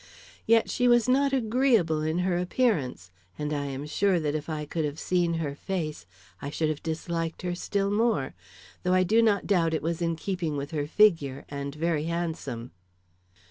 Yet she was not agreeable in her appearance; and I am sure that if I could have seen her face I should have disliked her still more, though I do not doubt it was in keeping with her figure, and very handsome."